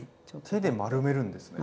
手で丸めるんですね。